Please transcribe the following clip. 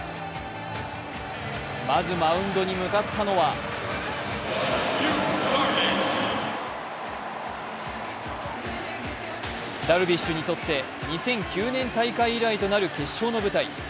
まずマウンドに向かったのはダルビッシュにとって２００９年大会以来となる決勝の舞台。